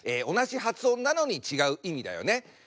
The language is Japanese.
同じ発音なのに違う意味だよね。